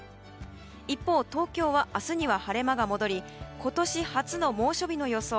一方、東京は明日には晴れ間が戻り今年初の猛暑日の予想。